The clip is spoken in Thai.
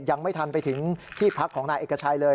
ยังไม่ทันไปถึงที่พักของนายเอกชัยเลย